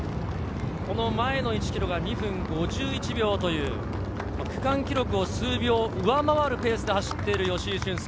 この前の１ｋｍが２分５１秒という区間記録を数秒上回るペースで走っている吉居駿恭。